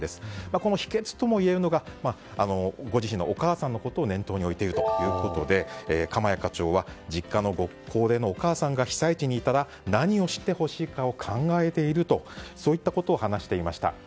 この秘訣ともいえるのがご自身のお母さんのことを念頭に置いているということで鎌谷課長は実家のご高齢のお母さんが被災地にいたら何を知ってほしいかを考えているとそういったことを話していました。